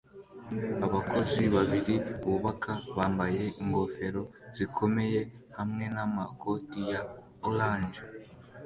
Abakozi babiri bubaka bambaye ingofero zikomeye hamwe namakoti ya orange